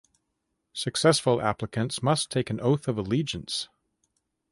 Successful applicants must take an Oath of Allegiance.